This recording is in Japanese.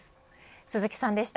鈴木さんでした。